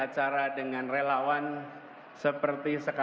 yang dari jawa barat